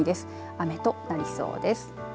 雨となりそうです。